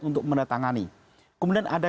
untuk menetangani kemudian ada